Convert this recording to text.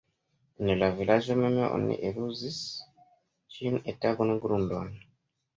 En la vilaĝo mem oni eluzis ĉiun etan grundon.